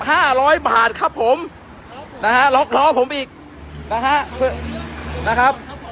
ห้าร้อยบาทครับผมนะฮะล็อกล้อผมอีกนะฮะ